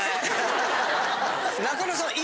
中野さんは。